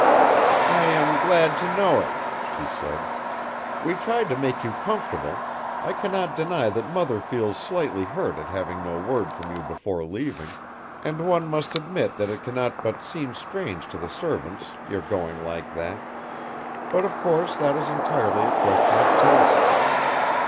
"I am glad to know it," she said. "We tried to make you comfortable I cannot deny that mother feels slightly hurt at having no word from you before leaving, and one must admit that it cannot but seem strange to the servants your going like that but of course that is entirely a question of taste."